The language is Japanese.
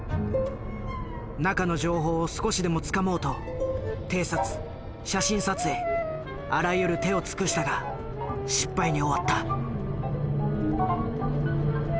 中の情報を少しでもつかもうと偵察写真撮影あらゆる手を尽くしたが失敗に終わった。